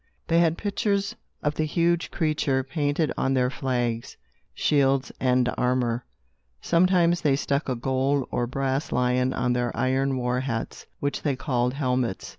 They had pictures of the huge creature painted on their flags, shields and armor. Sometimes they stuck a gold or brass lion on their iron war hats, which they called helmets.